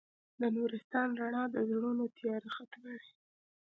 د نورستان رڼا د زړونو تیاره ختموي.